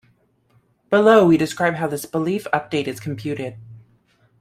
Below we describe how this belief update is computed.